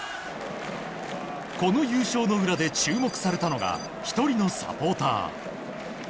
この優勝の裏で注目されたのが１人のサポーター。